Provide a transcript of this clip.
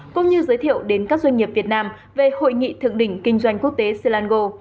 cũng như giới thiệu đến các doanh nghiệp việt nam về hội nghị thượng đỉnh kinh doanh quốc tế selangor